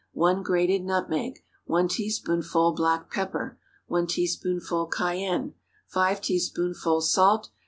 1 grated nutmeg. 1 teaspoonful black pepper. 1 teaspoonful cayenne. 5 teaspoonfuls salt.